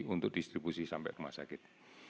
untuk distribusi sampai rumah sakit